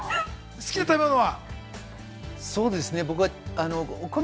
好きな食べ物は？